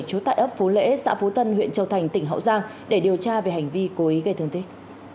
trú tại ấp phú lễ xã phú tân huyện châu thành tỉnh hậu giang để điều tra về hành vi cố ý gây thương tích